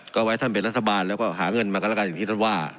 ก็ไว้ท่านเป็นรัฐบาลแล้วก็หาเงินมากันแล้วกันอย่างที่ท่านว่า